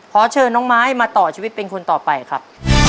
ขอเชิญน้องไม้มาต่อชีวิตเป็นคนต่อไปครับ